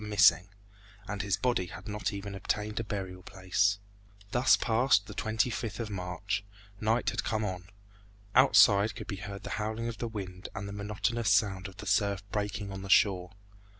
missing, and his body had not even obtained a burial place. Thus passed the 25th of March. Night had come on. Outside could be heard the howling of the wind and the monotonous sound of the surf breaking on the shore.